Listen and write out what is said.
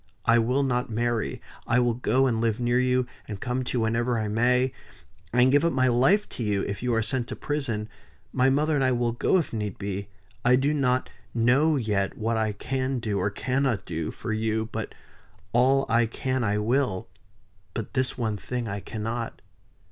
I will not marry I will go and live near you, and come to you whenever I may and give up my life to you if you are sent to prison; my mother and I will go, if need be I do not know yet what I can do, or cannot do, for you, but all I can I will; but this one thing I cannot."